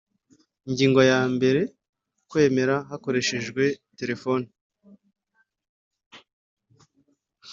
Ingingo yambere Kwemera hakoreshejwe telefoni